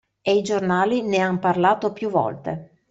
E i giornali ne han parlato più volte.